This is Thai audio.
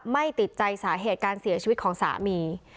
ไม่ติดใจสาเหตุการเสียชีวิตของสามี